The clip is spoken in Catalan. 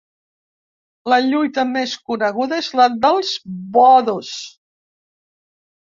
La lluita més coneguda és la dels bodos.